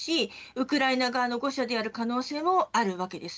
ウクライナ側の誤射である可能性もあります。